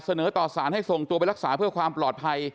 เสนอต่อสารให้ส่งตัวไปรักษาเพื่อความปลอดภัย